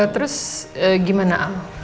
terus gimana al